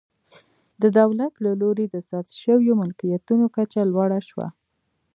د دولت له لوري د ضبط شویو ملکیتونو کچه لوړه شوه.